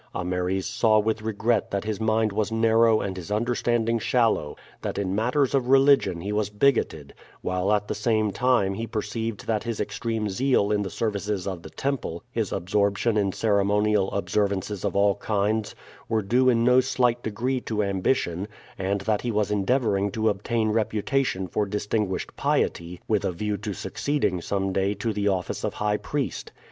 Ameres saw with regret that his mind was narrow and his understanding shallow, that in matters of religion he was bigoted; while at the same time he perceived that his extreme zeal in the services of the temple, his absorption in ceremonial observances of all kinds, were due in no slight degree to ambition, and that he was endeavoring to obtain reputation for distinguished piety with a view to succeeding some day to the office of high priest.